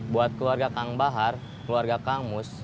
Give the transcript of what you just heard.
buat keluarga kang bahar keluarga kang mus